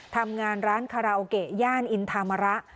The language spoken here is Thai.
ทำงานร้านคาราโอเกะย่านอินทามระ